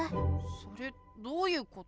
それどういうこと？